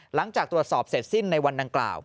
หลังจากตรวจสอบเสร็จสิ้นในวันดังกล่าว